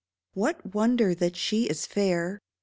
What wonder that she is fair